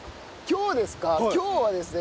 今日はですね